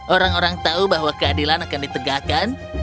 orang orang tahu bahwa keadilan akan ditegakkan